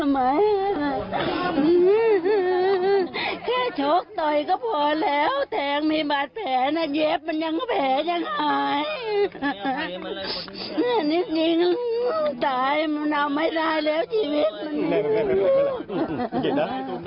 มันยังแผลชังหายนี่จริงตายมันเอาไม่ได้แล้วชีวิต